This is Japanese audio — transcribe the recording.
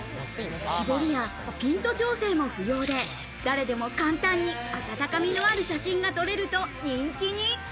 絞りやピント調整も不要で、誰でも簡単に温かみのある写真が撮れると人気に。